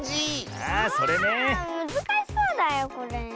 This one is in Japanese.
あむずかしそうだよこれ。